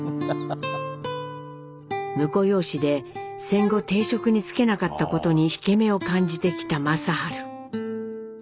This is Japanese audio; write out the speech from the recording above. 婿養子で戦後定職に就けなかったことに引け目を感じてきた正治。